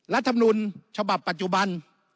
รัฐมนุนฉบับปัจจุบัน